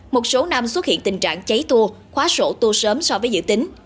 một số năm xuất hiện tình trạng cháy tour khóa sổ tour sớm so với dự tính